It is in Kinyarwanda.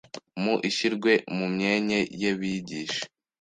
mu ishyirwe mu myenye y’ebigishe